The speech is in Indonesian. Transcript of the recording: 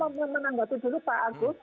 tadi mungkin saya mau menanggut dulu pak agus